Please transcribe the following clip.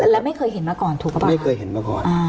และไม่เคยเห็นมาก่อนถูกหรือเปล่าครับไม่เคยเห็นมาก่อน